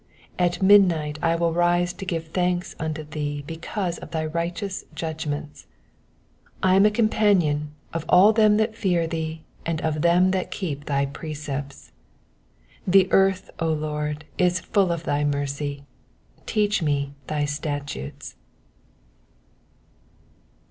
62 At midnight I will rise to give thanks unto thee because of thy righteous judgments. 63 I am a companion of all them that fear thee, and of them that keep thy precepts. 64 The earth, O LORD, is full of thy mercy : teach me thy statutes.